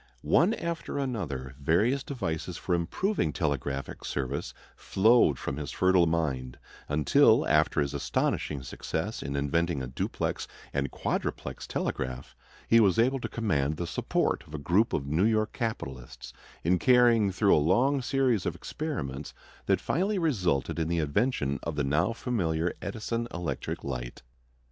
One after another various devices for improving telegraphic service flowed from his fertile mind, until, after his astonishing success in inventing a duplex and quadruplex telegraph, he was able to command the support of a group of New York capitalists in carrying through a long series of experiments that finally resulted in the invention of the now familiar Edison electric light.